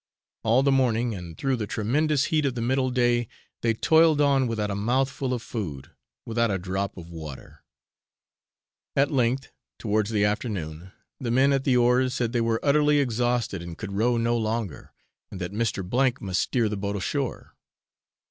All the morning, and through the tremendous heat of the middle day, they toiled on without a mouthful of food without a drop of water. At length, towards the afternoon, the men at the oars said they were utterly exhausted and could row no longer, and that Mr. C must steer the boat ashore.